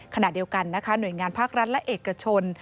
ขณะเดียวกันนะคะหน่วยงานภาครัฐและเอกชน